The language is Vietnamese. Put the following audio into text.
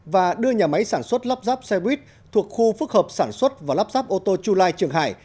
và đưa nhà máy sản xuất lắp ráp xe buýt thuộc khu phức hợp sản xuất và lắp ráp ô tô chu lai trường hải